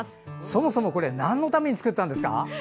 そもそもこれ何のために作ったんですか？